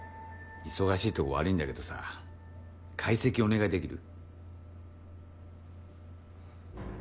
忙しいとこ悪いんだけどさ解析お願いできる？